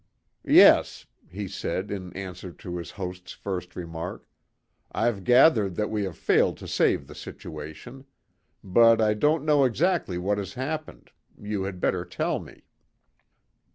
"Yes," he said, in answer to his host's first remark; "I've gathered that we have failed to save the situation. But I don't know exactly what has happened; you had better tell me."